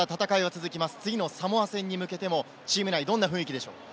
次のサモア戦に向けてチームはどんな雰囲気でしょうか？